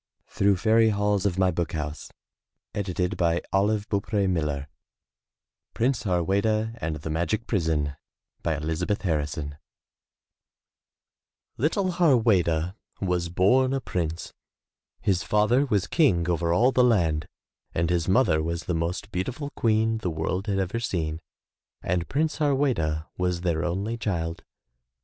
Moon, Mr. Moon, When you comin' down? '^' 33 MY BOOK HOUSE PRINCE HARWEDA AND THE MAGIC PRISON* Elizabeth Harrison ITTLE Harweda was bom a prince. His father was King over all the land and his mother was the most beautiful Queen the world had ever seen and Prince Harweda was their only child.